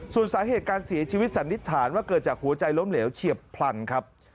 ส่วนสาเหตุการเสียชีวิตสันนิษฐานว่าเกิดจากหัวใจล้มเหลวเฉียบพลันครับ